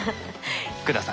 福田さん